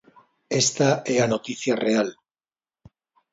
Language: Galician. Esta é a noticia real.